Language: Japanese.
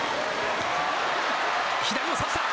左を差した。